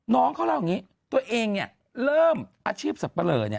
น้องเขาเล่าอย่างนี้ตัวเองเนี่ยเริ่มอาชีพสับปะเลอเนี่ย